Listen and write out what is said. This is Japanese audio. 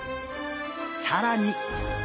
さらに！